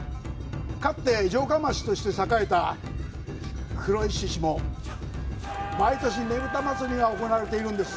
かつて城下町として栄えた黒石市でも毎年、ねぷた祭りが行われているんです。